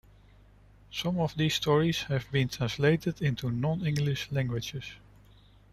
Some of these stories have been translated into non-English languages.